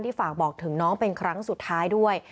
ฝากบอกถึงน้องเป็นครั้งสุดท้ายด้วย